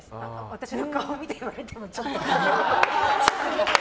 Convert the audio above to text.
私の顔を見て言われてもちょっと。